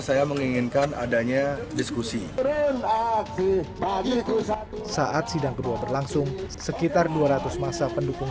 saya menginginkan adanya diskusi saat sidang kedua berlangsung sekitar dua ratus masa pendukung